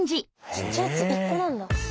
ちっちゃい「つ」１個なんだ。